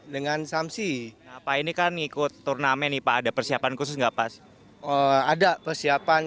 dengan samsi pak ini kan ikut turnamen nih pak ada persiapan khusus nggak pas ada persiapan